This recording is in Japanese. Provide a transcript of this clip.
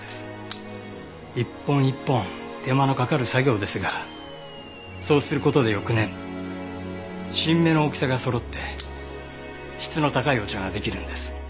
一本一本手間のかかる作業ですがそうする事で翌年新芽の大きさがそろって質の高いお茶ができるんです。